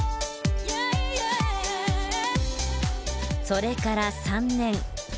それから３年。